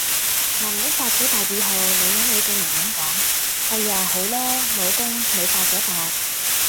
男人發咗達以後，女人會對男人講：哎呀好囉，老公，你發咗達